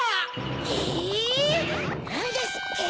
えなんですって！